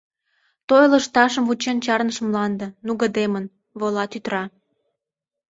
Той лышташым вучен чарныш мланде, Нугыдемын, вола тӱтыра.